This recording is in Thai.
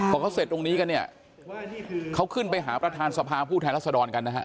พอเขาเสร็จตรงนี้กันเนี่ยเขาขึ้นไปหาประธานสภาผู้แทนรัศดรกันนะฮะ